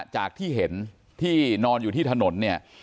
จากที่เห็นที่นอนอยู่ที่ถนนเนี่ย